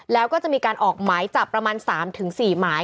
แล้วก็จะมีการออกหมายจับประมาณ๓๔หมาย